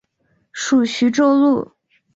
属叙州路。